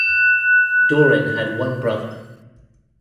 Dorin had one brother.